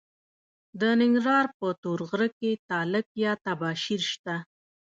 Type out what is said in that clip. د ننګرهار په تور غره کې تالک یا تباشیر شته.